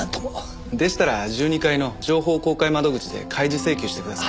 でしたら１２階の情報公開窓口で開示請求してください。